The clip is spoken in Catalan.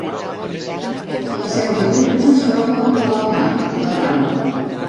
La seu de Cultura es troba al Palau Marc, a la Rambla.